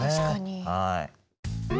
はい。